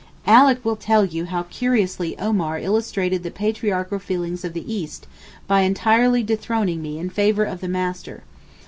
Alick will tell you how curiously Omar illustrated the patriarchal feelings of the East by entirely dethroning me in favour of the 'Master.